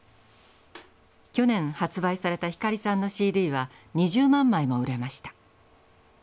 去年発売された光さんのＣＤは２０万枚も売れました。